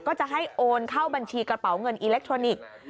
ก็จะให้โอนเข้าบัญชีกระเป๋าเงินอิเล็กทรอนิกส์